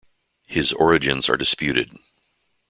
His origins are disputed.